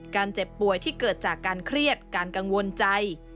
เจ็บป่วยที่เกิดจากการเครียดการกังวลใจ